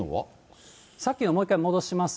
さっきの、もう一回戻します